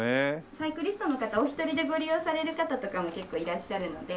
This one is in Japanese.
サイクリストの方お一人でご利用される方とかも結構いらっしゃるので。